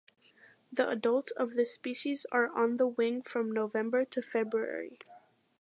The adults of this species are on the wing from November to February.